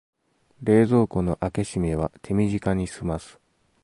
冷蔵庫の開け閉めは手短にすます